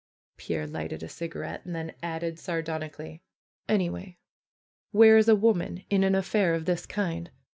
Pierre lighted a cigarette and then added sardonic ally : '^Anyway, where is a woman in an affair of this kind